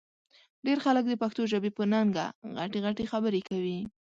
ډېر خلک د پښتو ژبې په ننګه غټې غټې خبرې کوي